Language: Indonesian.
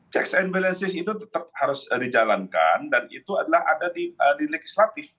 checks and balances itu tetap harus dijalankan dan itu adalah ada di legislatif